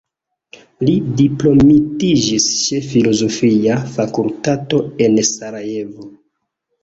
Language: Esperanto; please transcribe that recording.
Li diplomitiĝis ĉe filozofia fakultato en Sarajevo.